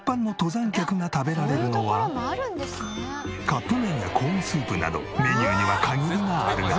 カップ麺やコーンスープなどメニューには限りがあるが。